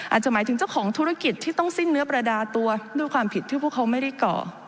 อาจจะหมายถึงเจ้าของธุรกิจที่ต้องสิ้นเนื้อประดาตัวด้วยความผิดที่พวกเขาไม่ได้ก่อ